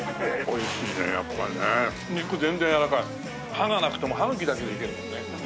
歯がなくても歯茎だけでいけるもんね。